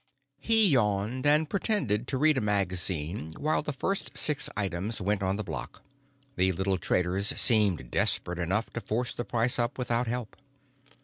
He yawned and pretended to read a magazine while the first six items went on the block; the little traders seemed desperate enough to force the price up without help.